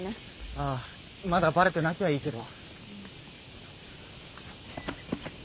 ああまだバレてなきゃいいけど。